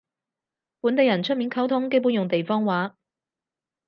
本地人出面溝通基本用地方話